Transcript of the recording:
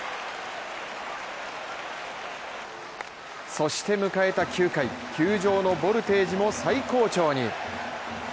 そして迎えた９回、球場のボルテージも最高潮に。